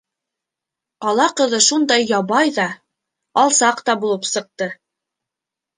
Ҡала ҡыҙы шундай ябай ҙа, алсаҡ та булып сыҡты.